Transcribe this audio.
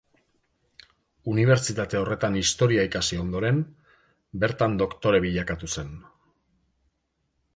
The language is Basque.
Unibertsitate horretan historia ikasi ondoren, bertan doktore bilakatu zen.